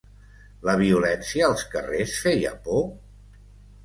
La violència als carrers feia por?